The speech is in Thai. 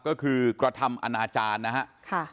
ก็คือกระทำอนาจารย์นะครับ